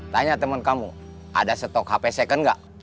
tanya temen kamu ada stok hp second gak